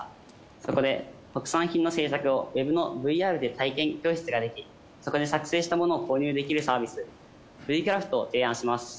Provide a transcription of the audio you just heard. そこで特産品の制作をＷｅｂのＶＲで体験教室ができそこで作成したものを購入できるサービスＶ−クラフトを提案します。